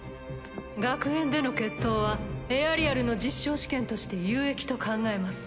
学園での決闘はエアリアルの実証試験として有益と考えます。